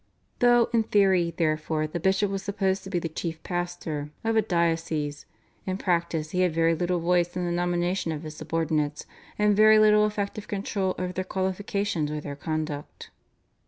Though, in theory, therefore, the bishop was supposed to be the chief pastor of a diocese, in practice he had very little voice in the nomination of his subordinates, and very little effective control over their qualifications or their conduct.